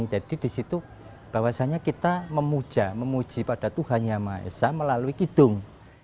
jadi di situ bahwasannya kita memuja memuji pada tuhan yang maha esa melalui kidung